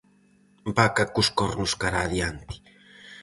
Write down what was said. Vaca cos cornos cara adiante.